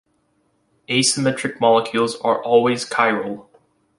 Asymmetric molecules are always chiral.